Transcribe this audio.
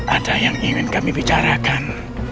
ada yang ingin kami bicarakan